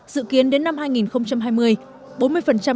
dự kiến đến năm hai nghìn hai mươi